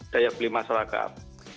daya beli masyarakat